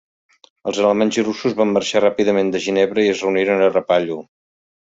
Els alemanys i russos van marxar ràpidament de Ginebre i es reuniren a Rapallo.